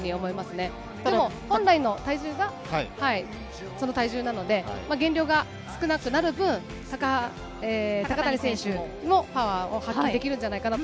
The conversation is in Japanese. でも本来の体重がその体重なので減量が少なくなる分、高谷選手もパワーを発揮できるんじゃないかなと。